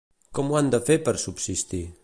Com ho han de fer per subsistir?